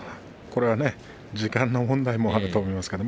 これはね時間の問題もあると思いますから。